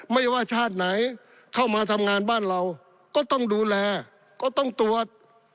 ไม่ว่าชาติไหนเข้ามาทำงานบ้านเราก็ต้องดูแลก็ต้องตรวจ